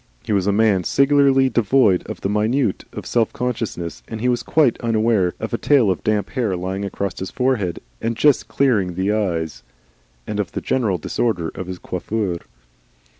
He was a man singularly devoid of the minutiae of self consciousness, and he was quite unaware of a tail of damp hair lying across his forehead, and just clearing his eyes, and of the general disorder of his coiffure.